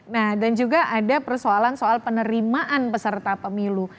nah dan juga ada persoalan soal penerimaan peserta pemilu